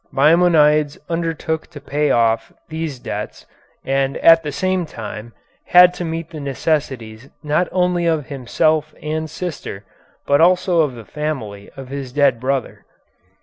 Maimonides undertook to pay off these debts and at the same time had to meet the necessities not only of himself and sister, but also of the family of his dead brother.